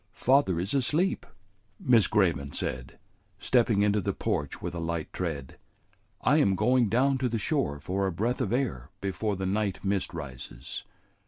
"Father is asleep," Miss Grayman said, stepping into the porch with a light tread. "I am going down to the shore for a breath of air before the night mist rises.